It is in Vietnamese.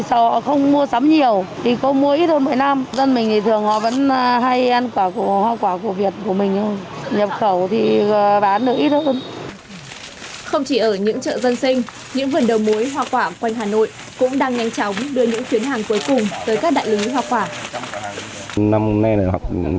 cũng đang nhanh chóng đưa những chuyến hàng cuối cùng tới các đại lưỡi hoa quả